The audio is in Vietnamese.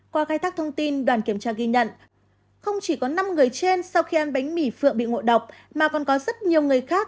qua khai thác thông tin đoàn kiểm tra ghi nhận không chỉ có năm người trên sau khi ăn bánh mì phượng bị ngộ độc mà còn có rất nhiều người khác